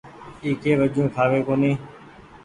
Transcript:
اي ڪي وجون کآوي ڪونيٚ ۔